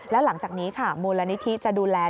แล้วหลังจากนี้ค่ะมูลนิธิจะดูแล